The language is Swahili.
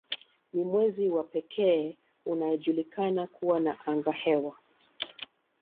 Ni mwezi wa pekee unaojulikana kuwa na angahewa.